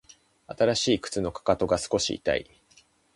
新しい靴のかかとが少し痛い